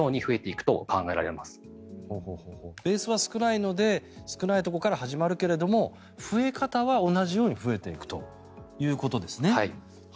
クリスマスくらいので少ないところから始まるけれど増え方は同じように増えていくということですね。